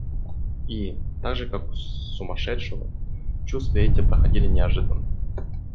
И, так же как у сумасшедшего, чувства эти проходили неожиданно.